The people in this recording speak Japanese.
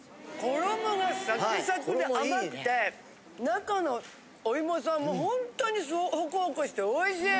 衣がサクサクで甘くて中のお芋さんもほんとにホクホクしておいしい！